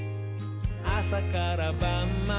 あさからばんまで」